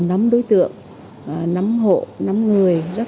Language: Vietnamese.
đến đối tượng chấp hành án